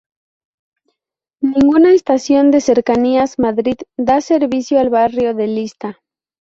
Ninguna estación de Cercanías Madrid da servicio al barrio de Lista.